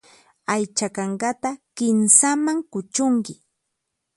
Aycha kankata kinsaman kuchunki.